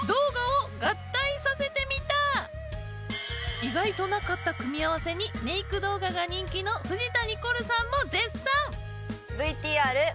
意外となかった組み合わせにメイク動画が人気の藤田ニコルさんも絶賛！